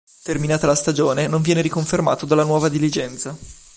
Terminata la stagione non viene riconfermato dalla nuova dirigenza.